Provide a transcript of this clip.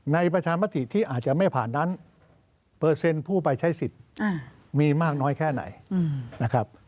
ประชามติที่อาจจะไม่ผ่านนั้นเปอร์เซ็นต์ผู้ไปใช้สิทธิ์มีมากน้อยแค่ไหนนะครับ